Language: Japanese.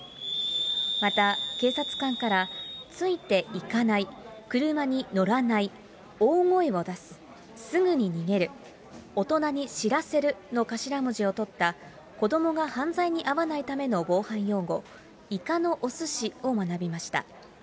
また警察官からついていかない、車に乗らない、大声を出す、すぐに逃げる、大人に知らせるの頭文字をとった、子どもが犯罪に遭わないための防犯用語、いかのおすしを学びました。